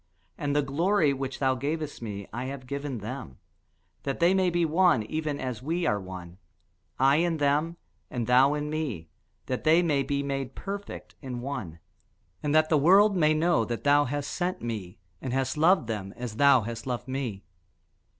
And the glory which thou gavest me I have given them; that they may be one, even as we are one: I in them, and thou in me, that they may be made perfect in one; and that the world may know that thou hast sent me, and hast loved them, as thou hast loved me.